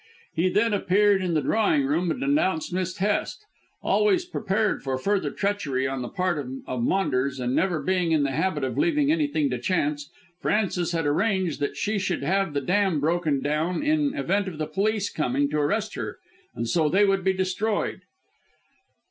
He then appeared in the drawing room and denounced Miss Hest. Always prepared for further treachery on the part of Maunders, and never being in the habit of leaving anything to chance, Frances had arranged that she should have the dam broken down in the event of the police coming to arrest her, and so they would be destroyed."